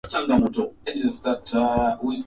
kuwepo sasa kwa tamasha hili unafikiri kutamkomboa